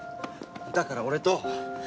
だから俺と！